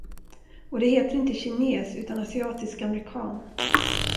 Och det heter inte kines, utan asiatisk amerikan.